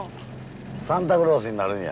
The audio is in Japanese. サンタクロースになるんや。